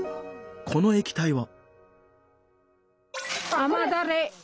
この液体は？